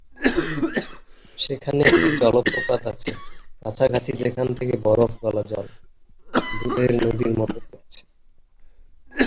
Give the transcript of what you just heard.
সেখানে একটি জলপ্রপাত আছে কাছাকাছি যেখান থেকে বরফ গলা জল, দুধের নদীর মত পড়ছে।